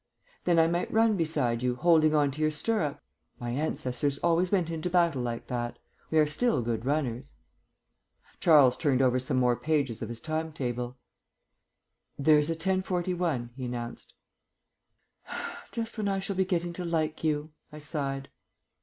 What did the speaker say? "Then I might run beside you, holding on to your stirrup. My ancestors always went into battle like that. We are still good runners." Charles turned over some more pages of his timetable. "There is a 10.41," he announced. "Just when I shall be getting to like you," I sighed.